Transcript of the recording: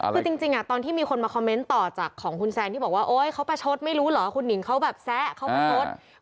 คือจริงตอนที่มีคนมาคอมเมนต์ต่อจากของคุณแซนที่บอกว่าโอ๊ยเขาประชดไม่รู้เหรอคุณหนิงเขาแบบแซะเขาประชด